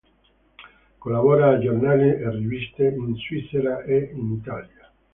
Collabora a giornali e riviste in Svizzera e in Italia.